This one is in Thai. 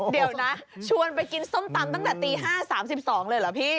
เดี๋ยวนะชวนไปกินส้มตำตั้งแต่ตี๕๓๒เลยเหรอพี่